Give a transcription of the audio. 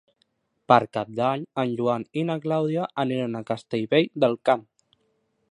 Per Cap d'Any en Joan i na Clàudia aniran a Castellvell del Camp.